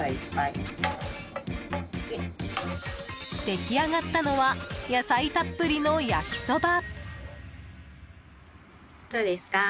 出来上がったのは野菜たっぷりの焼きそば。